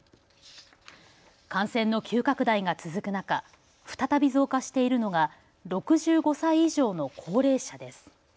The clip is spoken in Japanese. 感染の急拡大が続く中、再び増加しているのが６５歳以上の高齢者です。